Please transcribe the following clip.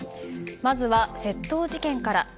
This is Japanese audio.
まずは窃盗事件から。